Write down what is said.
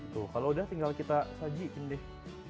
tuh kalau udah tinggal kita sajiin deh